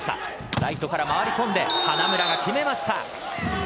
ライトから回り込んで花村が決めました。